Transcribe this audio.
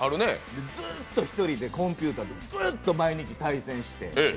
ずっと一人でコンピューターとずっと毎日対戦して。